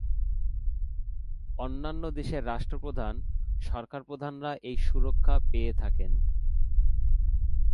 অন্যান্য দেশের রাষ্ট্রপ্রধান, সরকার প্রধানরা এই সুরক্ষা পেয়ে থাকেন।